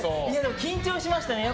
緊張しましたね。